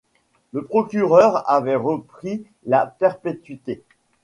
Le procureur avait requis la perpétuité.